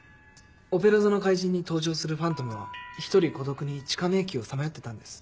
『オペラ座の怪人』に登場するファントムは１人孤独に地下迷宮をさまよってたんです。